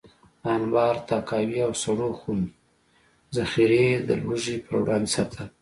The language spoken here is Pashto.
د انبار، تحکاوي او سړو خونې ذخیرې د لوږې پر وړاندې ساتل.